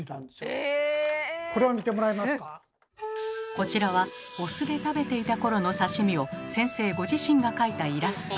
こちらはお酢で食べていた頃の刺身を先生ご自身が描いたイラスト。